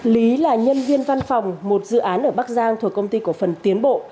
lý là nhân viên văn phòng một dự án ở bắc giang thuộc công ty cổ phần tiến bộ